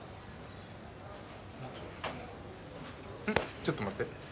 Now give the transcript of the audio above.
ちょっと待って。